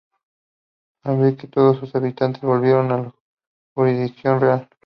Alberique y todos sus habitantes volvieron a la jurisdicción real.